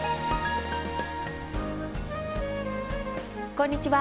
こんにちは。